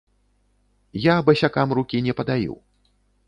Я басякам рукі не падаю.